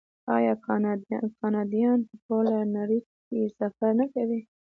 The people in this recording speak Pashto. آیا کاناډایان په ټوله نړۍ کې سفر نه کوي؟